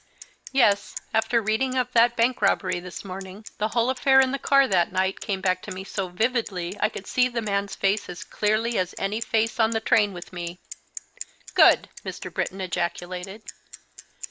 "Yes; after reading of that bank robbery this morning, the whole affair in the car that night came back to me so vividly I could see the man's face as clearly as any face on the train with me." "Good!" Mr. Britton ejaculated.